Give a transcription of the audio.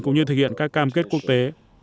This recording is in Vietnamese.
cũng như thực hiện các cam kết quốc tế